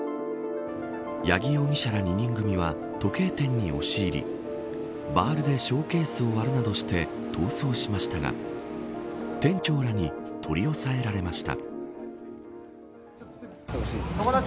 八木容疑者ら２人組が時計店に押し入りバールでショーケースを割るなどして逃走しましたが店長らに取り押さえられました。